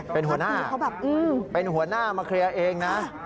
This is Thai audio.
เป็นหัวหน้ามาเคลียร์เองนะ